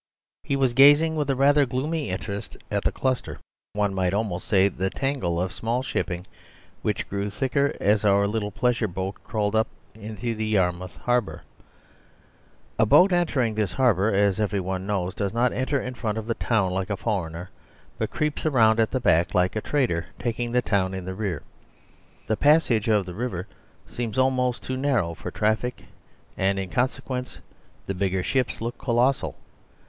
He was gazing with a rather gloomy interest at the cluster, one might almost say the tangle, of small shipping which grew thicker as our little pleasure boat crawled up into Yarmouth Harbour. A boat entering this harbour, as every one knows, does not enter in front of the town like a foreigner, but creeps round at the back like a traitor taking the town in the rear. The passage of the river seems almost too narrow for traffic, and in consequence the bigger ships look colossal.